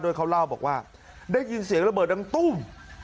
เขาเล่าบอกว่าได้ยินเสียงระเบิดดังตุ้ม